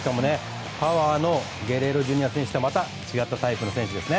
パワーのゲレーロＪｒ．選手とはまた違ったタイプの選手ですね。